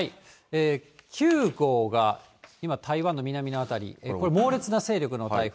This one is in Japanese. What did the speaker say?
９号が今、台湾の南の辺り、これ、猛烈な勢力の台風。